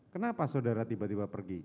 kenapa saudara tiba tiba pergi